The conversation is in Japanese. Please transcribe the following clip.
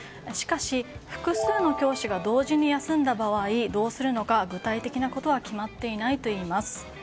しかし、複数の教師が同時に休んだ場合どうするのか具体的なことは決まっていないといいます。